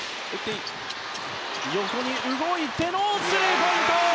横に動いてのスリーポイント！